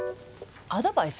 アドバイス？